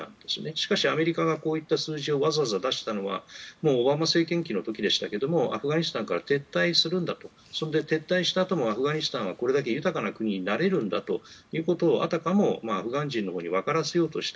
しかしアメリカがこういった数字をわざわざ出したのはオバマ政権期の時でしたけどアフガニスタンから撤退したあともアフガニスタンはこれだけ豊かな国になれるんだということをあたかもアフガン人に分からせようとした。